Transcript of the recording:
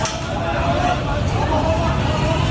เจ้าบ้านในระแวกนั้นเอิมระอาหมดแล้วล่ะครับ